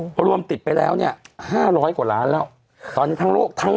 โอ้พอรวมติดไปแล้วเนี้ยห้าร้อยกว่าล้านแล้วตอนนี้ทั้งโลกทั้ง